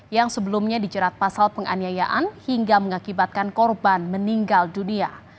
yang sebelumnya dijerat pasal penganiayaan hingga mengakibatkan korban meninggal dunia